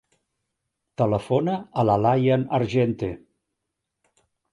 Telefona a la Layan Argente.